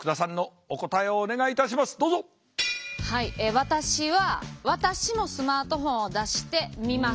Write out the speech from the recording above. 私は私もスマートフォンを出して見ます。